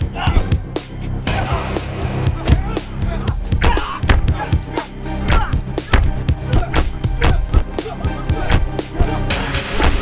jangan jangan tukang beka